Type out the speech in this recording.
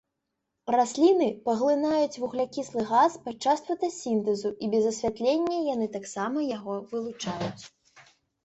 Расліны паглынаюць вуглякіслы газ падчас фотасінтэзу, а без асвятлення яны таксама яго вылучаюць.